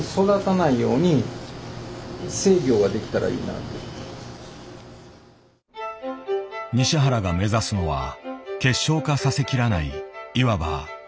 西原が目指すのは結晶化させきらないいわば未完の状態。